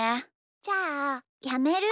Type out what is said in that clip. じゃあやめる？